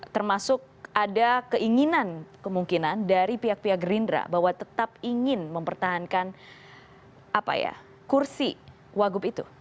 termasuk ada keinginan kemungkinan dari pihak pihak gerindra bahwa tetap ingin mempertahankan kursi wagub itu